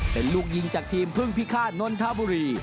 เป็นลูกยิงจากทีมพึ่งพิฆาตนนทบุรี